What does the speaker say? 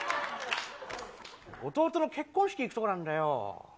弟の結婚式行くとこなんだよ。